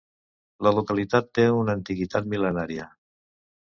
La localitat té una antiguitat mil·lenària.